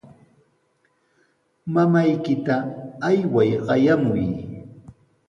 Mamaykita ayway qayamuy.